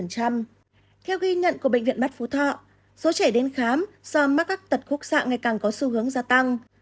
theo ghi nhận của bệnh viện mắt phú thọ số trẻ đến khám do mắc các tật khúc xạ ngày càng có xu hướng gia tăng